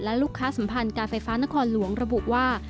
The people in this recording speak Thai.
และลูกค้าสัมพันธ์การไฟฟ้านครหลวงระบุว่า